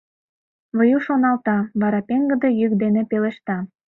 Выю шоналта, вара пеҥгыде йӱк дене пелешта: